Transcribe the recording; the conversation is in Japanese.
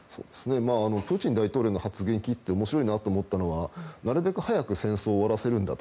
プーチン大統領の発言を聞いてて面白いなと思ったのはなるべく早く戦争を終わらせるんだと。